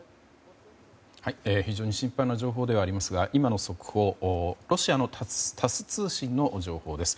非常に心配な情報ではありますが今の速報はロシアのタス通信の情報です。